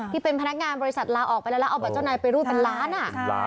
ที่เป็นพนักงานบริษัทลาออกไปแล้วแล้วเอาบัตรเจ้านายไปรูดเป็นล้านอ่ะ